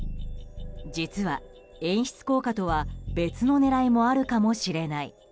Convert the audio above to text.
実は、演出効果とは別の狙いもあるかもしれない。